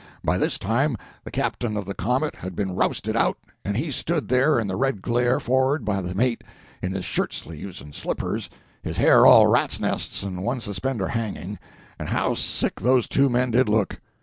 By this time the captain of the comet had been rousted out, and he stood there in the red glare for'ard, by the mate, in his shirt sleeves and slippers, his hair all rats' nests and one suspender hanging, and how sick those two men did look!